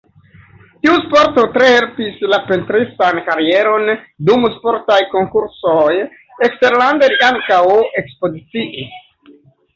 Tiu sporto tre helpis la pentristan karieron, dum sportaj konkursoj eksterlande li ankaŭ ekspoziciis.